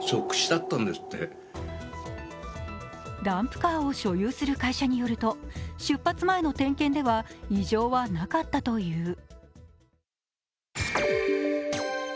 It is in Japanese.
ダンプカーを所有する会社によると出発前の点検では、異常はなかったという。